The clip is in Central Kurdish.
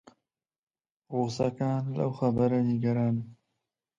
ڕووسەکان لەو خەبەرە نیگەرانن